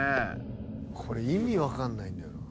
これ意味分かんないんだよな。